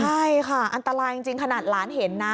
ใช่ค่ะอันตรายจริงขนาดหลานเห็นนะ